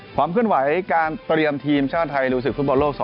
ความเคลื่อนไหวการเตรียมทีมชาติไทยลุยศึกฟุตบอลโลก๒๐